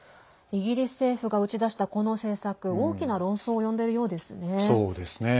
イギリス政府が打ち出したこの政策、大きな論争を呼んでいるようですね。